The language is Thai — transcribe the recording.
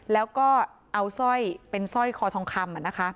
แล้วเอาสร้อยเป็นขอทองคำ